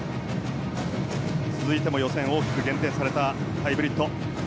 続いても予選で大きく減点されたハイブリッド。